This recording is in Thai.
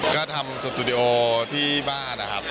ก็ทำสตูดิโอที่บ้านนะครับ